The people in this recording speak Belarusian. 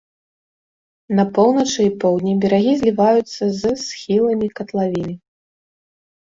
На поўначы і поўдні берагі зліваюцца з схіламі катлавіны.